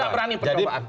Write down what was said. tidak berani percobaan